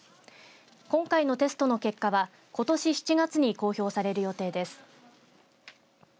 今回のテストの結果はことし７月に公表される予定です。